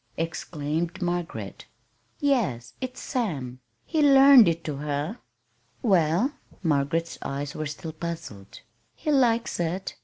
exclaimed Margaret. "Yes. It's Sam. He learned it to her." "Well?" Margaret's eyes were still puzzled. "He likes it.